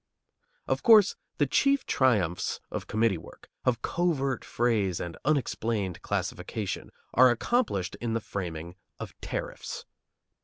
Of course, the chief triumphs of committee work, of covert phrase and unexplained classification, are accomplished in the framing of tariffs.